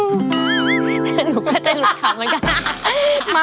หนูก็ใจหลุดคำเหมือนกัน